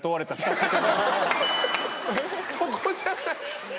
そこじゃない。